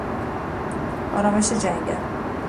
آرامش جنگل